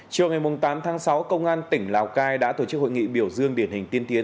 chiều ngày tám tháng sáu công an tỉnh lào cai đã tổ chức hội nghị biểu dương điển hình tiên tiến